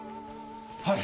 はい！